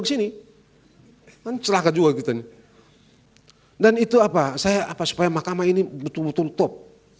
kesini kan celaka juga kita ini dan itu apa saya apa supaya mahkamah ini betul betul top